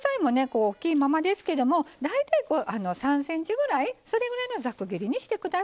こうおっきいままですけども大体３ｃｍぐらいそれぐらいのザク切りにしてください。